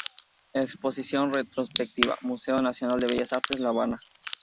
Exposición retrospectiva"" Museo Nacional de Bellas Artes, La Habana.